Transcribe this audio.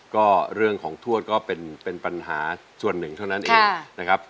ก็เรื่องของทวดก็เป็นปัญหาส่วนหนึ่งเท่านั้นเองนะครับ